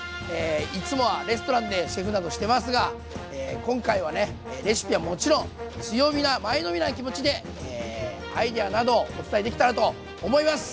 いつもはレストランでシェフなどしてますが今回はねレシピはもちろん強火な前のめりな気持ちでアイデアなどをお伝えできたらと思います！